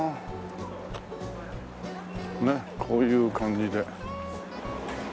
ねえこういう感じで。